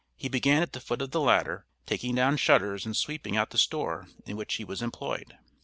He began at the foot of the ladder, taking down shutters and sweeping out the store in which he was employed.